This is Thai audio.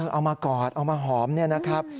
เอามากอดเอามาหอมนะครับ